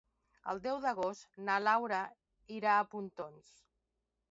El deu d'agost na Laura irà a Pontons.